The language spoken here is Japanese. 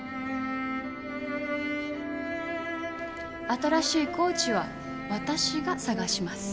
新しいコーチは私が探します。